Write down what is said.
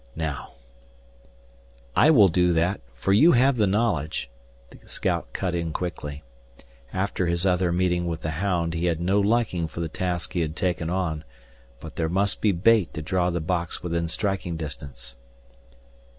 Now " "I will do that, for you have the knowledge " the scout cut in quickly. After his other meeting with the hound he had no liking for the task he had taken on, but there must be bait to draw the box within striking distance.